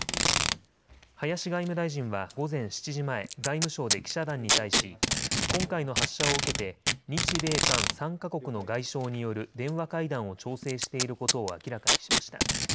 林外務大臣は午前７時前、外務省で記者団に対し今回の発射を受けて日米韓３か国の外相による電話会談を調整していることを明らかにしました。